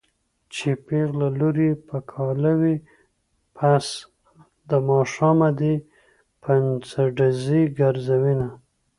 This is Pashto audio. چې پېغله لور يې په کاله وي پس د ماښامه دې پنځډزی ګرځوينه